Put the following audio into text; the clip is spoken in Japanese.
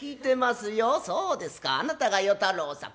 そうですかあなたが与太郎さん。